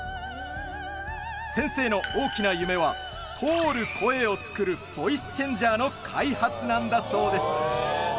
先生の大きな夢は通る声を作るボイスチェンジャーの開発なんだそうです。